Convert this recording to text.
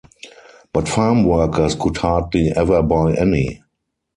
But farm workers could hardly ever buy any.